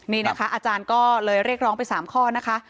นี่นะคะอาจารย์ก็เลยเรียกร้องไป๓ข้อนะคะ